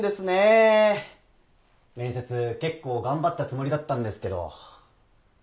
面接結構頑張ったつもりだったんですけど。